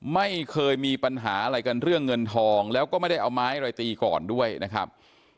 ไม่เคยมีปัญหาอะไรกันเรื่องเงินทองแล้วก็ไม่ได้เอาไม้อะไรตีก่อนด้วยนะครับ